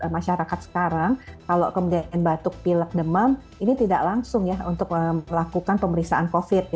masyarakat sekarang kalau kemudian batuk pilek demam ini tidak langsung ya untuk melakukan pemeriksaan covid